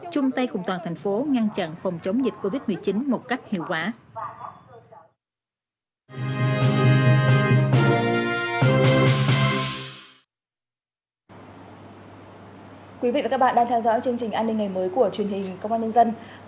chung tay cùng toàn thành phố ngăn chặn phòng chống dịch covid một mươi chín một cách hiệu quả